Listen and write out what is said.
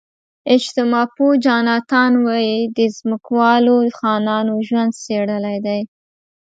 اجتماع پوه جاناتان وی د ځمکوالو خانانو ژوند څېړلی دی.